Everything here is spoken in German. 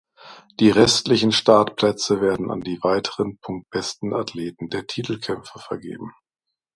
Die restlichen Startplätze werden an die weiteren punktbesten Athleten der Titelkämpfe vergeben.